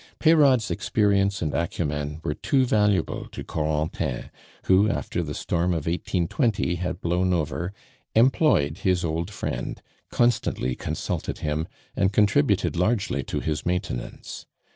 Peyrade's experience and acumen were too valuable to Corentin, who, after the storm of 1820 had blown over, employed his old friend, constantly consulted him, and contributed largely to his maintenance.